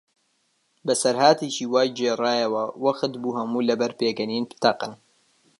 بەسەرهاتێکی وای گێڕایەوە، وەختبوو هەموو لەبەر پێکەنین بتەقن.